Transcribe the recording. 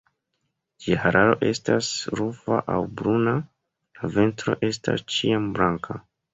Ĝia hararo estas rufa aŭ bruna; la ventro estas ĉiam blanka.